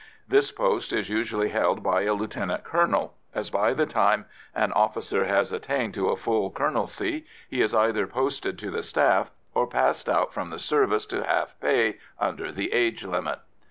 This post is usually held by a lieutenant colonel, as by the time an officer has attained to a full colonelcy he is either posted to the staff or passed out from the service to half pay under the age limit.